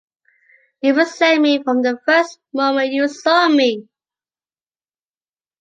You resent me from the first moment you saw me!